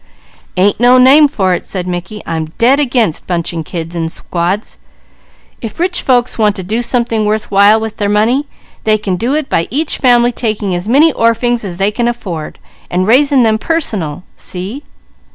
"Ain't no name for it," said Mickey. "I'm dead against bunching children in squads. If rich folks want to do something worth while with their money, they can do it by each family taking as many orphings as they can afford, and raising them personal. See?"